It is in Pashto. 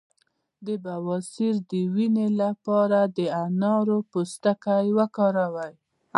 د بواسیر د وینې لپاره د انار پوستکی وکاروئ